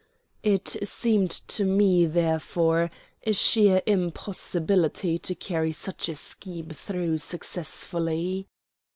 It seemed to me, therefore, a sheer impossibility to carry such a scheme through successfully.